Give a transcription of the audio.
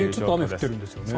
少し降ってるんですよね。